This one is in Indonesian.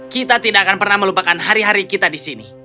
kita tidak akan pernah melupakan hari hari kita di sini